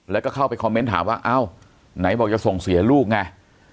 แล้วก็เข้าไปคอมเมนต์ถามว่าเอ้าไหนบอกจะส่งเสียลูกไง